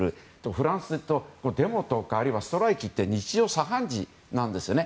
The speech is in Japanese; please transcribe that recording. フランスってデモとかあるいはストライキって日常茶飯事なんですね。